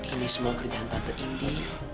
ini semua kerjaan tante indy